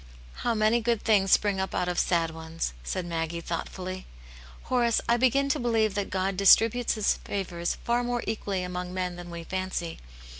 "How many good things spring up out of sad ones !" said Maggie, thoughtfully. " Horace, I begin to believe that God distributes His favours far more equally among men than we fancy.